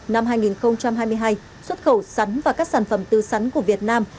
năm hai nghìn hai mươi hai xuất khẩu sắn và các sản phẩm tư sắn của việt nam